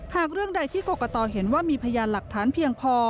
หากเรื่องใดที่กรกตเห็นว่ามีพยานหลักฐานเพียงพอ